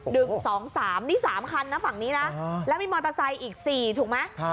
ดึง๒๓นี่๓คันนะฝั่งนี้นะแล้วมีมอเตอร์ไซค์อีก๔ถูกไหม